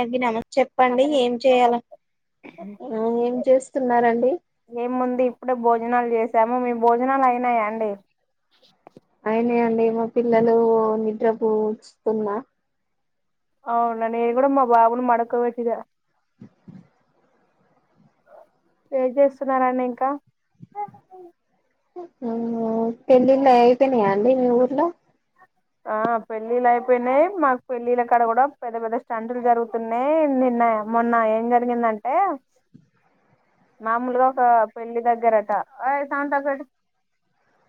అదిగినాన చెప్పండి కానీ ఏం చెయాలి ఆ ఏం చేస్తున్నారండి సమో మీ భోజనాలు అయినాయా అండి అయినాయండి మా పిల్లలు నిద్ర పూచుతున్నా అవునా నేను కూడా మా బాబను మడకోబెట్టినా ఏం చేస్తున్నారు అండి ఇంకా నేనా పెళ్ళిళ్లు అయిపోనాయా అండి మీ ఊర్లో ఆ పెళ్ళిళ్ళ అయిపోయినాయి మాకు పెళ్ళిళ్ళక్కడ కూడా పెద్ద పెద్ద స్టంటులు జరుగుతున్నాయి నిన్న అ మొన్న ఏం జరిగిందంటే మామూలుగా ఒక పెళ్ళి దగ్గరట అయ్ సౌండ్ తక్కువ పెట్టు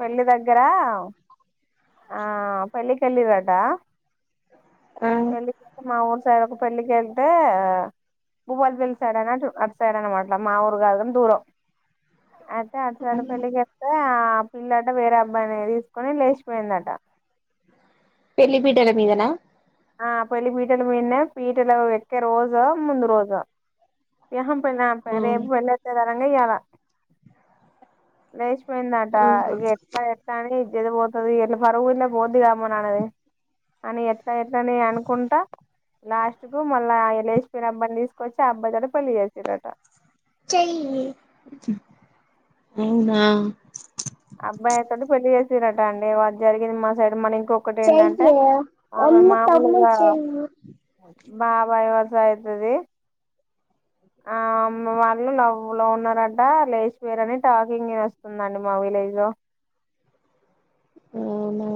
పెళ్ళి దగ్గర ఉ పెళ్లికి వెళ్లింరట ఆ పెళ్లి కెళ్ళి మా ఉరి సైడ్ పెళ్ళికేళితే బువ్వకి పిల్చాడు అన్నట్టు అటు సైడ్ అనమాట మా ఊరు కాదు దూరం అయితే అట్లాంటి పెళ్ళికేలితే పిల్లట వేరే అబ్బాయిని తీసుకొని లేచిపోయిందట పెళ్లి పీటల మీదనా ఆ పెళ్లి పీటలు మీదనే పీటలు ఎక్కే రోజో ముందు రోజో ఆహా రేపు పెళైతాది అనంగా ఇయాల లేచి పోయిందంట అవునా ఎట్లా ఎట్లాని ఏమౌవుతది ఇట్ల పరువు గిట్ల పోతది గదా అమ్మ నాన్నది అని [unintelligible] అనుకుంటా లాస్ట్ కు మళ్ళా లేసిపోయిన అబ్బాయిని తీసుకొచ్చి ఆబ్బాయితోనే పెళ్లి చేసింరట చెయ్యిని అబ్బాయితోటి పెళ్లి చేససిరట అండి వా జరిగింది మా సైడ్ మనింగ్ ఇంకొకటి ఏంటంటే ఆమె మమ్మీ తమ్ముడు మామూలుగా చెయ్యి బాబాయి వాళ్ళ సైడ్ ది ఆ వాళ్ళు లవ్ లవ్ ఉన్నారట లేచిపోయారని టాకింగ్ వస్తుందండి మా విలేజ్ లో హలో ఆవునా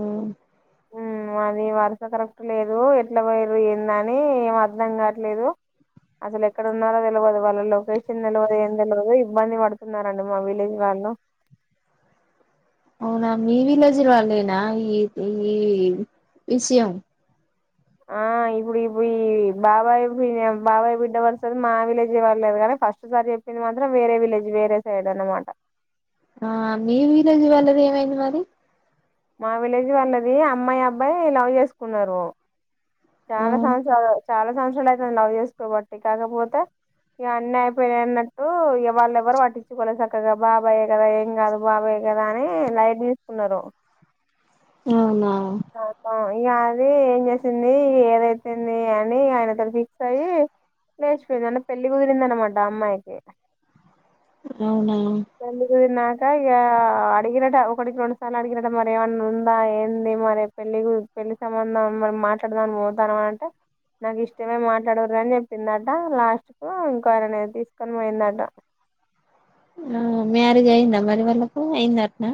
ఉమ్ అది వరుస కరెక్ట్ లేదు ఎట్లా పోయర్రు ఏందని ఏం అర్ధం కావట్లేదు. అసలు ఎక్కడ ఉన్నారో తెలయదు వాళ్ళ లొకేషన్ తెలవదు ఏం తెలవదు ఇబ్బంది పడుతున్నారంట మా విలేజ్ వా హలో అవునా అండి విలేజ్ వాళ్ళేనా ఈ ఈ విషయం ఆ ఇప్పుడు ఇప్పుడు ఈ బాబాయి బాబాయి బిడ్డ వరుసది మా విలేజీ వాళ్ళది గానే ఫస్ట్ సారి చెప్పింది మాత్రం వేరే విలేజ్ వేరే సైడ్ అనమాట ఆ మీ విలేజ్ వాళ్ళది ఏమైంది మరి మా విలేజ్ వాళ్ళది అమ్మాయి అబ్బాయి లవ్ జెసుకున్నారు. ఆ చాలా సంవత్సరాలు చాలా సంవత్సరాలు అయితాంది లవ్ చేసుకోబట్టి కాకపోతే ఇక అన్నీ అయిపోయినాయి అన్నట్టు వాళ్ళ ఎవరు పట్టిచ్చుకోలేదు సక్కగా బాబాయే కదా ఏం కాదు బాబాయే గదా అని లైట్ తీసుకున్నారు అవునా ఆ ఇ అది ఏం చేసింది ఏదైతుంది అని ఆయనతో ఫిక్స్ అయ్యి లేచిపోయింది అంట పెళ్ళి కుదిరిందనమాట అమ్మాయికి అవునా పెళ్లి కుదిరింది నా ఇంకా ఇక అడిగిరట ఒకటికి రెండు సార్లు అడిగిరట మరి ఏమైన్నా ఉందా ఏంది మరి పెళ్లి పెళ్లి సంబంధం మరీ మాట్లాడదామని పోతున్నాం అంటే నాకు ఇష్టమే మాట్లాడరు అని చెప్పిందట లాస్ట్ కు ఇంక్వైరీ అనేది తీసుకొని పోయిందట [inaudible] ఆ మ్యారేజ్ అయిందా మరి వాళ్ళకు అయింద అట్నా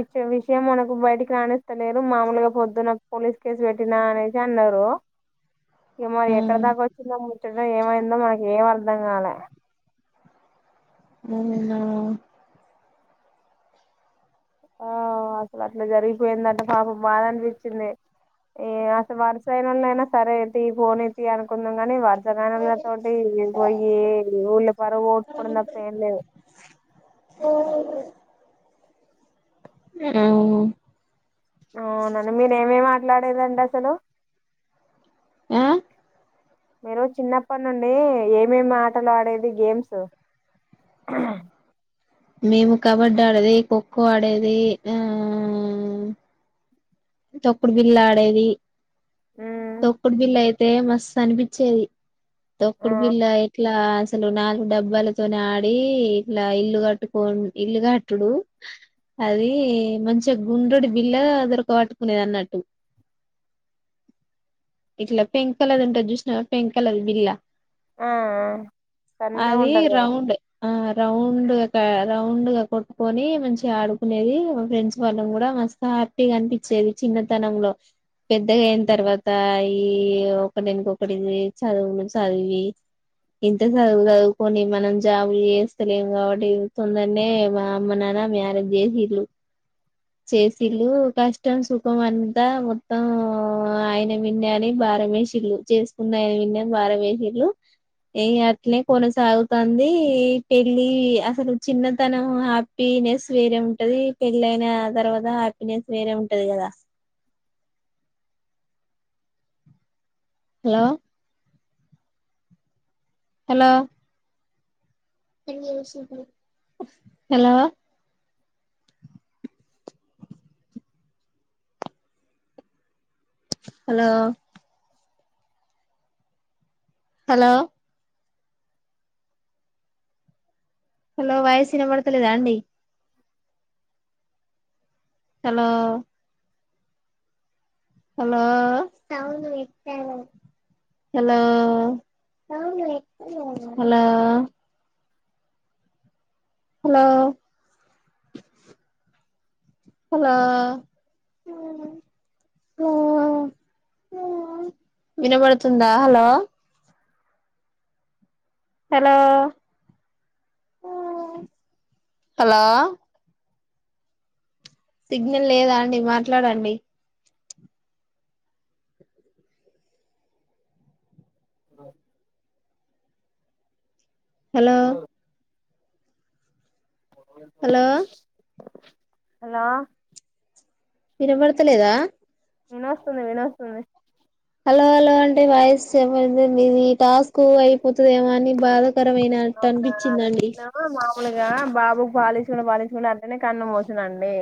ఇచ్చ విషయం మనకు బయటికి రాణిస్తలేరు మామూలుగా పొద్దున్న పోలీస్ కేసు పెట్టినా అనేసి అన్నారు ఈ మరి ఆ ఎక్కడ దాకా వచ్చిందా ఏమైందో మనకి ఏం అర్ధం కాలే అవునా ఆ అసలు అట్లా జరిగిపోయిందంటే పాపం బాధ అనిపించింది ఏ అస వరుసయినల అయినా సరే అయితే ఈ పోనీ తీ అయిత అనుకుందాం గానీ వర్స దగాణల తోటి పొయ్యి ఊళ్ళ పరువు పోగొట్టుకోడం తప్ప ఏం లేదు ఉమ్ అవునండి మీర ఏమే మాట్లాడేదండి అసలు ఆ మీరు చిన్నప్పటి నుండి ఏమేమి ఆటలు ఆడేది గేమ్స్ అ మేము కబడ్డీ ఆడేది ఖోఖో ఆడేది ఆ తక్కుడు బిల్లు ఆడేది మ్మ్ తొక్కుడు బిల్ల అయితే మస్తు అనిపించేది ఆ తొక్కుడు బిళ్ళ ఇట్లా అసలు నాలుగు డబ్బాలతోనే ఆడి ఇట్లా ఇల్లు కట్టు ఇల్లుకట్టుకో ఇల్లు కట్టుడు అది మంచిగా గుండ్రెడు బిల్లగా దొరక పట్టుకునేది అన్నట్టు ఇట్లా పెంక్ కలర్ అంటారు చూసిన పెంక్ కలర్ బిల్లా ఆ సన్నగా అది ఉంటది కదా రౌండ్ ఆ రౌండ్ రౌండ్ గా కొట్టుకొని మంచిగ ఆడుకునేది ఫ్రెండ్స్ వాళ్ళం కూడా మస్త్ హ్యాపీగా అనిపించి చిన్నతనంలో పెద్దగా అయిన తర్వాత ఈ ఒకటినుకొకటిది చదువులు చదివి ఇంత చదువులు చదువుకొని మనం జాబులు చేస్తలేం కాబట్టి తొందరనే మా అమ్మ నాన్న మ్యారేజ్ చేసిండ్రు చేసీలు కష్టం సుఖం అంతా మొత్తం ఆయన మిందే అని బారమేసిల్లు చేసుకున్నాయని బారమేసిల్లు ఏ అట్నే కొనసాగుతుంది పెళ్ళి అసలు చిన్నతనం హ్యాపీనెస్ వేరే ఉంటది పెళ్ళైనా అయిన తర్వాత హ్యాపీనెస్ వేరే ఉంటది కదా ద hello hello hello hello hello hello voice వినపడుతలేదా అండి hello hello hello hello hello hello వినబడుతుందా హలో హలో సిగ్నల్ లేదా అండి మాట్లాడండి. హలో హలో హలో వినబడతలేదా? వినొస్తుంది వినొస్తుంది హలో హలో అంటే వాయిస్ ఎవరిదండి ఈ టాస్క్ అయిపోతదేమో అని బాధ కరమైన అట్ట అనిపిచ్చిందండి. మూలుగా బాబుకు పాలిచ్చుకుంట పాలిచ్చుకుంట అట్లనే కన్ను మూసిందండి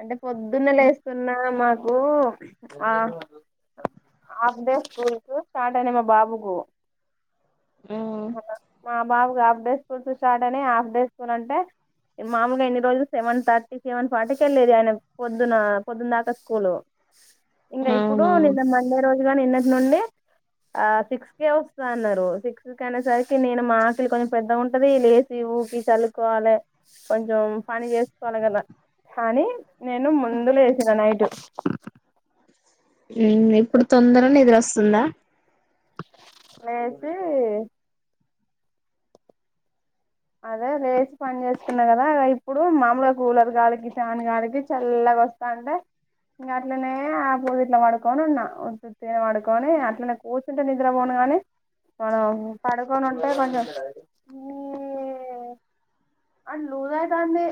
అంటే పొద్దున్నే లేస్తున్నా మాకు ఆ ఆఫ్ డే స్కూల్ కు స్టార్ట్ అయినాయి మా బాబుకు ఆ మా బాబుకు ఆఫ్ డేస్ స్కూల్స్ స్టార్ట్ అయినాయి ఆఫ్ డే స్కూల్ అంటే మాములుగా ఇన్ని రోజులు సెవెన్ థర్టీ సెవెన్ ఫార్టీకి వెళ్ళేది ఆయన పొద్దున పొద్దున్న దాకా స్కూల్ ఇంగ ఇప్పుడు అవునా నిన్న మండే రోజ్ ఇగ నిన్నటి నుండి ఆ సిక్స్ కే వస్తా అన్నారు సిక్స్ కే అనేసరికి నేను మా వాకిలి కొంచెం పెద్దగా ఉంటది లేచి ఊకి చల్లుకోవాలే కొంచెం పని చేసుకోవాలికదా కానీ నేను ముందు లెసినా నైటు ఉమ్ ఇప్పుడు తొందర నిదరొస్తుందా? లేచి అదే లేచి పని చేసుకున్నా కదా ఇగ ఇప్పుడు మామూలుగా కూలర్ గాలికి ఫ్యాన్ గాలికి చల్ల వస్తాంటే ఇంకా అట్లనే ఆపోజిట్లా పడుకోని ఉన్నా ఉత్తుత్తి గనే పడుకొని అట్లనే కూర్చుంటే నిద్రపోను [unintelligible] ఆ మనం పడుకొని ఉంటే కొంచెం ఆది లూజైతాంది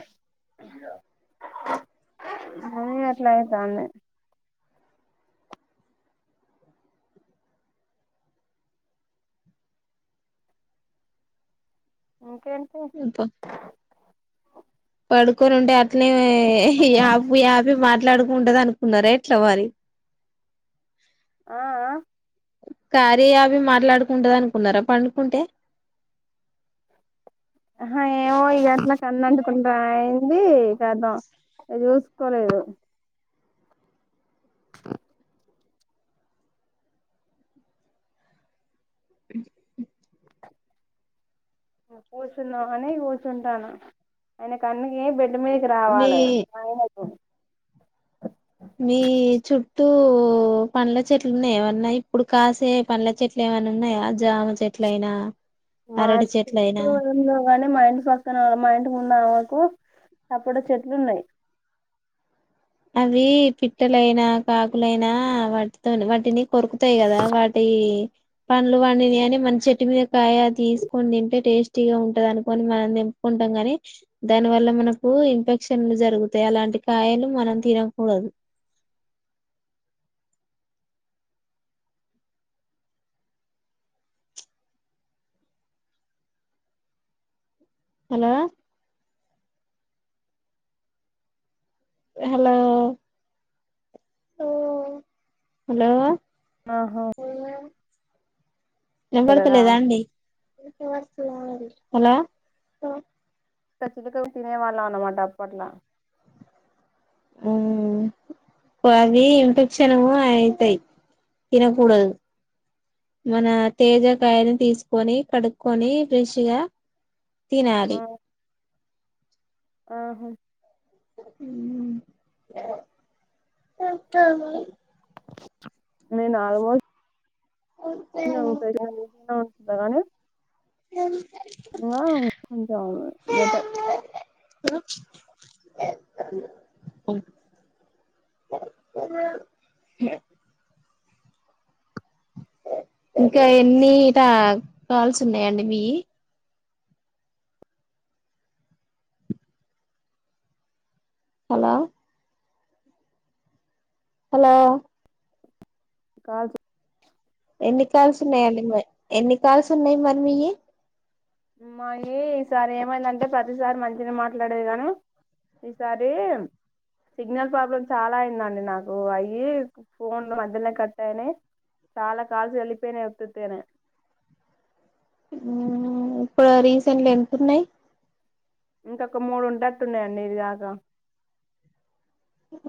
అదే అట్లయితంది ఇంకేం ఇంకా పడుకొని ఉంటే అట్నే ఆ యాప్ యాప్పిగా మాట్లాడుకు కుంటది అనుకున్నరో ఎట్లో మరి ఆ అ కార్య వి మాట్లాడుకుంటది అనుకున్నారా పండుకుంటే? అహ ఏవో ఇగ అట్లా కళ్లు అంటుకుంటనాయి ది కదా ఇగ చూసుకోలేదు. ఇగ కూర్చుందాం అని కూర్చుంటాను ఆయనకి అన్నీ బెడ్ డ్ మీదకి మీ రావాలే మీ చుట్టూ ట్టు పండ్ల చెట్లు ఉన్నాయా ఏమన్నా ఇప్పుడు కాసే పండ్ల చెట్లు ఏమన్నా ఉన్నాయా చెట్లైనా మాకు చెట్లు ఏం లేవు గానీ మా ఇంటి పక్కన మా ఇంటి ముందు ఆమె కు సపోటా చెట్లున్నాయి. అవి పిట్టలైనా కాకులైనా వాటితోని వాటిని కొరుకుతాయి కదా వాటి పండ్లు పండినై అని మనం చెట్టు మీద కాయ తీసుకొని తింటే టేస్టీగా ఉంటది అనుకోని మనం తెంపు కోన్ అంటాం కాని దాని వల్ల మనకు ఇన్ఫెక్షన్లు జరుగుతాయి అలాంటి కాయలు మనం తినకూడదు హలో హలో హ్మ్ హలో ఆహా వినపడతలేదా అండి హలో పెసలుగ తినే వాళ్ళం అన్నమాట అప్పట్లా ఉమ్మ్ అవి ఇన్ఫెక్షను అయితయ్ తినకూడదు మన తేజకాయని తీస్కొని కడుక్కొని ఫ్రెష్ గ తినాలి ఆహా నేను ఆల్మోస్ట్ సర అందారనే కొంచెం బెటర్ ఇంకా ఎన్ని టా కాల్స్ ఉన్నాయంండి మీయి హలో హలో కాదు ఎన్ని కాల్స్ ఉన్నాయండి మర్ కాల్స్ ఉన్నాయి మరి మీయ్యి మాయ్యి ఈసారి ఏమైందంటే ప్రతిసారి మంచిగ మాట్లాడేది గాని ఈసారీ సిగ్నల్ ప్రాబ్లమ్ చాలా అయిందండి నాకు అయ్యి ఫోన్లు మధ్యలో కట్టయ్ నై చాలా కాల్స్ వెళ్లిపేనీ ఉత్తుత్ గనే మ్మ్ ప్పుడ రి సెండ్ లో ఎంత ఉన్నాయ్ ఇంకొక మూడు ఉండేట్టు ఉన్నాయండి ఇది గాక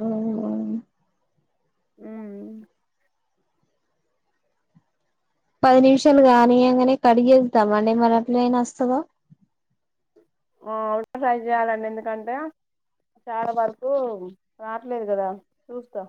ఓహో మ్మ్మ్ హ్మ్ పది నిమిషాలు గానియ్యంగనే కడిగేద్దాం అండి మరి అట్ల అయినా వస్తదో ఓ ట్రై చేయాలండి ఎందుకంటే చాలా వరకు రాట్లేదు కదా చూస్తా